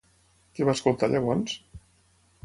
Què va escoltar llavors?